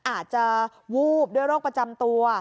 อาจจะวูบด้วยโรคประจำตัว